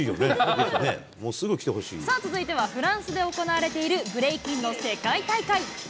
さあ、続いてはフランスで行われているブレイキンの世界大会。